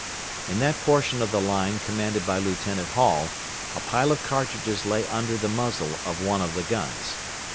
In that portion of the line commanded by Lieutenant Hall, a pile of cartridges lay under the muzzle of one of the guns.